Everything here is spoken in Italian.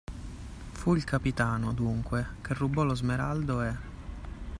Fu il capitano, dunque, che rubò lo smeraldo e.